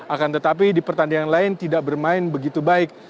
akan tetapi di pertandingan lain tidak bermain begitu baik